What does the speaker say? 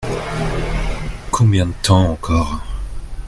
Combien de temps encore ?